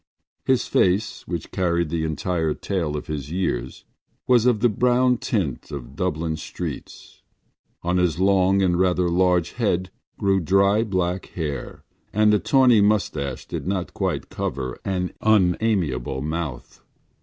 His face, which carried the entire tale of his years, was of the brown tint of Dublin streets. On his long and rather large head grew dry black hair and a tawny moustache did not quite cover an unamiable mouth.